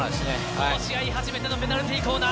この試合初めてのペナルティーコーナー。